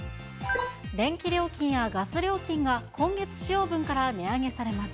電気料金やガス料金が今月使用分から値上げされます。